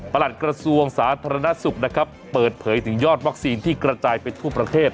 หลัดกระทรวงสาธารณสุขนะครับเปิดเผยถึงยอดวัคซีนที่กระจายไปทั่วประเทศ